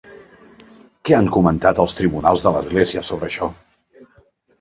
Què han comentat els tribunals de l'Església sobre això?